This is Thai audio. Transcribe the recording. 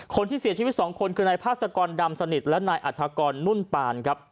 คนที่เสียชีวิตสองคนคือนายพาสกรดำสนิทและนายอัฐกรนุ่นปานครับ